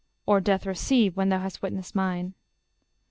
_ Or death receive; when thou hast witnessed mine.